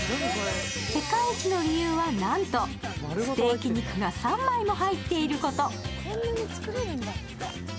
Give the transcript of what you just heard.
世界一の理由はなんと、ステーキ肉が３枚も入っていること。